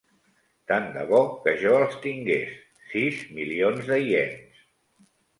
Tant de bo que jo els tingués, sis milions de iens!